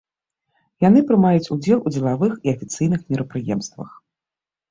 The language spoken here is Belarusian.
Яны прымаюць удзел у дзелавых і афіцыйных мерапрыемствах.